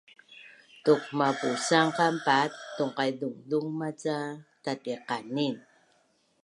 tauk mapusan qan paat tuqaizungzung maca tatdiqanin